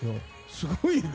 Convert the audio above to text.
すごいね。